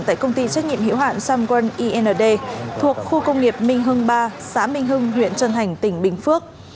tại công ty trách nhiệm hữu hạn samquan ind thuộc khu công nghiệp minh hưng ba xã minh hưng huyện trân thành tỉnh bình phước